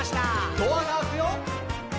「ドアが開くよ」